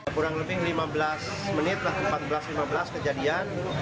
kurang lebih lima belas menit lah empat belas lima belas kejadian